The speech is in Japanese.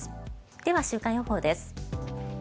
では、週間予報です。